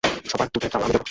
সবার দুধের দাম আমি দেবো।